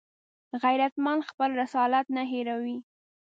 غیرتمند خپل رسالت نه هېروي